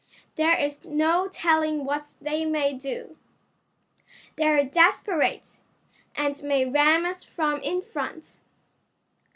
There is no telling what they may do. They're desperate, and may ram us from in front."